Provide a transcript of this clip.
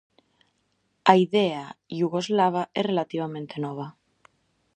A idea iugoslava é relativamente nova.